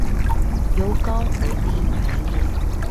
由高而低排列